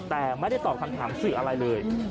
แต่ไม่ได้ตอบคำถามสื่ออะไรเลย